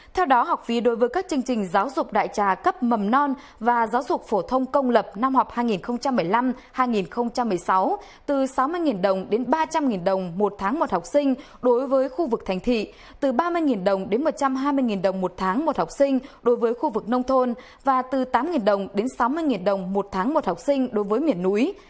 theo đó học phí đối với các chương trình giáo dục đại trà cấp mầm non và giáo dục phổ thông công lập năm học hai nghìn một mươi năm hai nghìn một mươi sáu từ sáu mươi đồng đến ba trăm linh đồng một tháng một học sinh đối với khu vực thành thị từ ba mươi đồng đến một trăm hai mươi đồng một tháng một học sinh đối với khu vực nông thôn và từ tám đồng đến sáu mươi đồng một tháng một học sinh đối với miền núi